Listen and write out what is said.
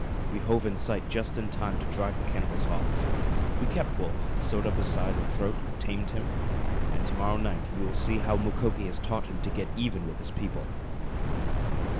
We hove in sight just in time to drive the cannibals off. We kept Wolf, sewed up his side and throat, tamed him and to morrow night you will see how Mukoki has taught him to get even with his people."